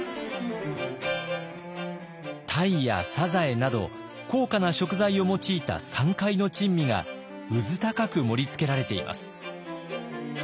タイやサザエなど高価な食材を用いた山海の珍味がうずたかく盛りつけられています。